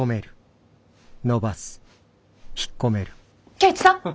圭一さん！